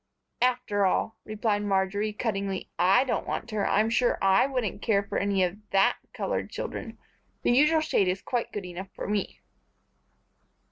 "After all," replied Marjory, cuttingly, "I don't want her. I'm sure I wouldn't care for any of that colored children. The usual shade is quite good enough for me."